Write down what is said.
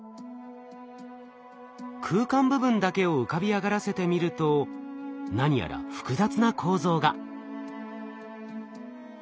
空間部分だけを浮かび上がらせてみると何やら複雑な構造が。